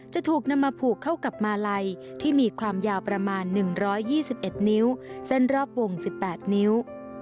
จะถูกนำมาผูกเข้ากับมาลัยที่มีความยาวประมาณ๑๒๑นิ้วเส้นรอบวง๑๘นิ้ว